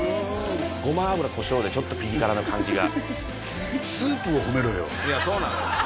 ごま油とコショウでちょっとピリ辛な感じがスープを褒めろよいやそうなのよ